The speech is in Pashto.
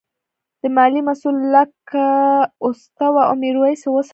د مالیې مسوول لیک واستاوه او میرويس یې وستایه.